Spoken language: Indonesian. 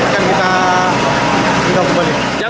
nanti kita kembali